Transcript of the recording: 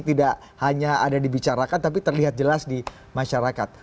tidak hanya ada dibicarakan tapi terlihat jelas di masyarakat